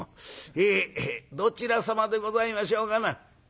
へえどちら様でございましょうかな」。